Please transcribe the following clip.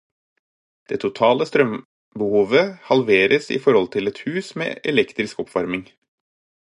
Det totale strømbehovet halveres i forhold til et hus med elektrisk oppvarming.